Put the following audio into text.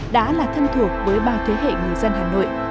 đã là thân thuộc với bao thế hệ người dân hà nội